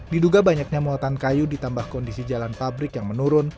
diduga banyaknya muatan kayu ditambah kondisi jalan pabrik yang menurun